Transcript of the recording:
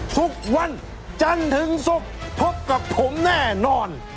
ทุกวันจันทึงศพพบกับผมแน่นอน